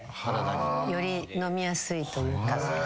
より飲みやすいというか。